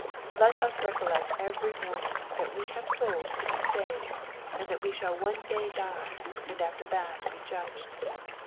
Let us recollect every morning that we have souls to be saved, and that we shall one day die, and after that be judged.